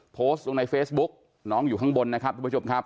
โพสต์ลงในเฟซบุ๊กน้องอยู่ข้างบนนะครับทุกผู้ชมครับ